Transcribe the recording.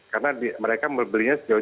karena mereka membelinya jauh jauh